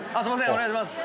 お願いします。